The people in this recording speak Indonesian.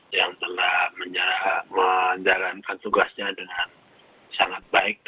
yang telah menjalankan tugasnya dengan sangat baik